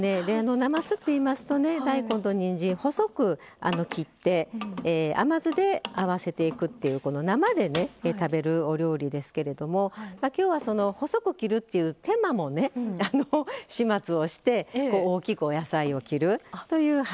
なますっていいますと大根と、にんじんを細く切って甘酢であわせていくっていう生で食べるお料理ですけれどもきょうは細く切るっていう手間も始末をして大きくお野菜を切るという。